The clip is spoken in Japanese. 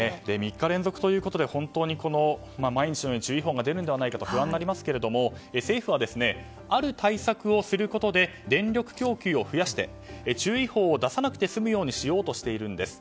３日連続ということで本当に毎日のように注意報が出るのではと不安になりますが政府は、ある対策をすることで電力供給を増やして注意報を出さなくて済むようにしようとしているんです。